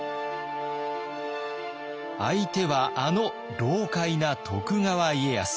相手はあの老かいな徳川家康。